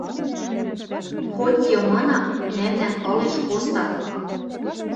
Хоть йымына мӓмнӓн ылеш костан